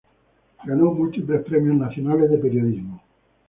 Ganó múltiples premios nacionales de periodismo.